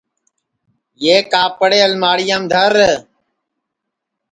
یہ کاپڑے الماڑِیام دھر